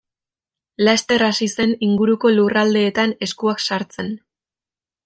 Laster hasi zen inguruko lurraldeetan eskuak sartzen.